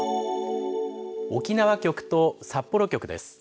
沖縄局と札幌局です。